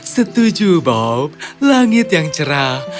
setuju bob langit yang cerah